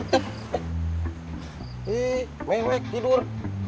eh mewek tidur